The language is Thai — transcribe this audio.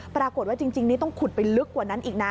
ปรากฏว่าจริงนี่ต้องขุดไปลึกกว่านั้นอีกนะ